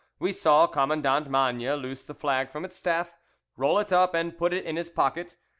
We saw Commandant Magne loose the flag from its staff, roll it up and put it in his pocket.